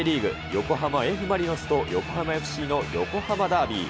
横浜Ｆ・マリノスと横浜ＦＣの横浜ダービー。